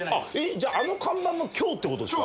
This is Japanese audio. じゃああの看板も今日ってことですか？